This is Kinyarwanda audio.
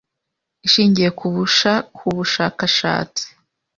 ishingiye ku busha ku bushakashatsi